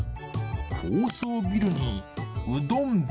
高層ビルにうどん人？